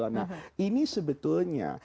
nah ini sebetulnya